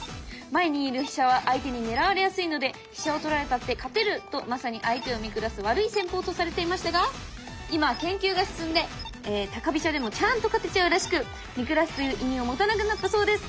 前にいる飛車は相手に狙われやすいので「飛車を取られたって勝てる！」とまさに相手を見下す悪い戦法とされていましたが今研究が進んで高飛車でもちゃんと勝てちゃうらしく見下すという意味を持たなくなったそうです。